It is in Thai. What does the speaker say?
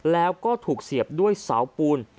แล้วก็ถูกเสียบด้วยเสาปูน